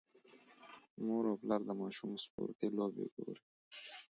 مور او پلار د ماشوم سپورتي لوبې ګوري.